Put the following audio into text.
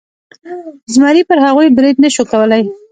زمري پر هغوی برید نشو کولی.